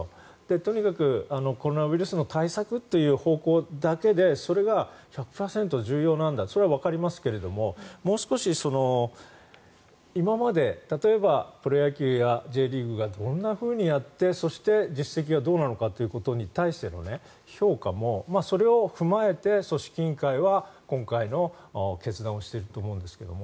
とにかく、コロナウイルスの対策という方向だけでそれが１００％重要なんだそれはわかりますがもう少し今まで例えば、プロ野球やＪリーグがどんなふうにやってそして、実績はどうなのかということに対しての評価もそれを踏まえて組織委員会は今回の決断をしていると思うんですけども。